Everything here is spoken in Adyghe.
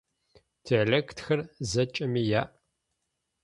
Диалектхэр зэкӏэми яӏ.